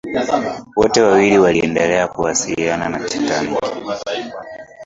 wote wawili waliendelea kuwasiliana na titanic